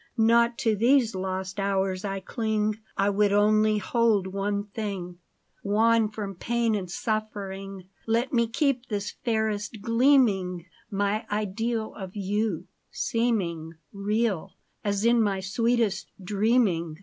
Not to these lost hours I cling ; I would only hold one thing, Won from pain and suffering : Let me keep this fairest gleaming, My ideal of you, — seeming Real, as in my sweetest dreaming.